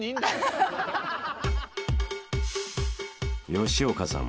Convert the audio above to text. ［吉岡さん